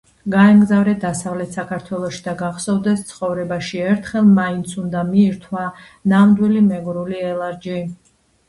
გაემგზავრე დასავლეთ საქართველოში და გახსოვდეს, ცხოვრებაში ერთხელ მაინც უნდა მიირთვა ნამდვილი მეგრული ელარჯი.